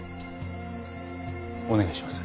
お願いします。